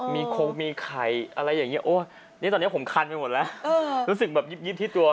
มีโครมีไขอะไรอย่างนี้พอนี่ตอนนี้ผมคันเพลงทำไมละรู้สึกแบบยิบที่ตัว